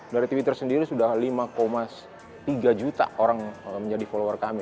dari twitter sendiri sudah lima tiga juta orang menjadi follower kami